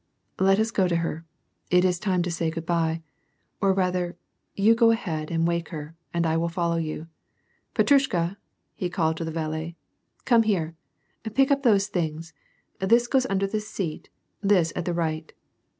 " Let us go to her, it is time to say good by. Or, rather, yon go ahead and wake her, and I will follow you. Petrush ka," he cried to the valet, " Come here ; pick up those things. This goes under the seat ; this, at the right."